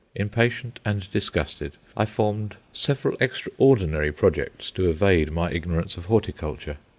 Impatient and disgusted, I formed several extraordinary projects to evade my ignorance of horticulture.